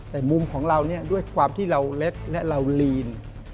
แต่มุมของเราเนี่ยด้วยความที่เราเล็กและเราลีน